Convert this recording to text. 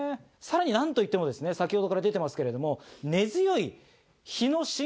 さらに何といっても先ほどから出てますけれども。